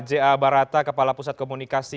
ja barata kepala pusat komunikasi